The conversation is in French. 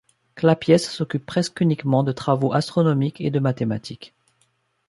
Clapiès s'occupe presque uniquement de travaux astronomiques et de mathématiques.